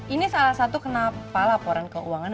ini salah satu kenapa laporan keuangan